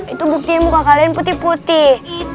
itu buktinya muka kalian putih putih